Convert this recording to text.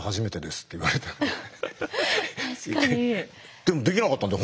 でもできなかったんだよ